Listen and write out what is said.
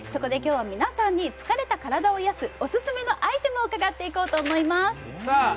今日は皆さんに、疲れた体を癒やすオススメのアイテムを伺っていこうと思います。